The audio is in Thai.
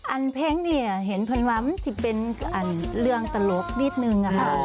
อันเพลงนี่เหียนมันว้ามันจะเป็นเรื่องตลกนิดหนึ่งค่ะ